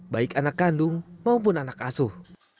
baik anak kandung maupun anak asuh